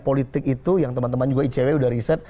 politik itu yang teman teman juga icw sudah riset